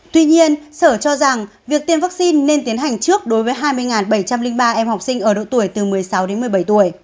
tuy nhiên sở cho rằng việc tiêm vaccine nên tiến hành trước đối với hai mươi bảy trăm linh ba em học sinh ở độ tuổi từ một mươi sáu đến một mươi bảy tuổi